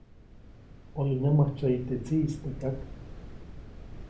ʼOyu nyämäjtsyäyi teʼ tsiʼis teʼ kak.